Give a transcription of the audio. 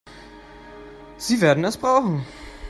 Sie werden es brauchen.